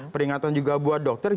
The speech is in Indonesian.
peringatan juga buat dokter